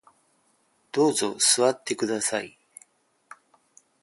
どうぞ座ってください